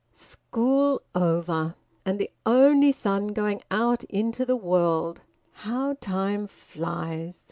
"School over! And the only son going out into the world! How time flies!"